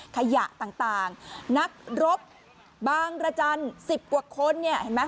ขยะต่างนักรบบางระจันทร์๑๐กว่าคนเนี่ยเห็นไหม